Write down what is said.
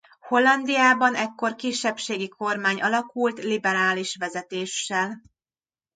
Hollandiában ekkor kisebbségi kormány alakult liberális vezetéssel.